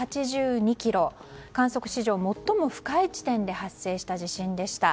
観測史上最も深い地点で発生した地震でした。